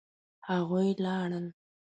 هغوی لاړل